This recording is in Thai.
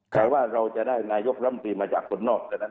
แต่ว่าเราจะได้นายกรัมตรีมาจากคนนอกแต่นั้น